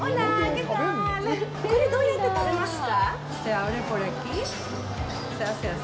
これどうやって食べますか？